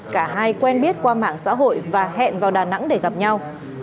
cả hai quen biết qua mạng xã hội và hẹn vào đà nẵng để gặp nhau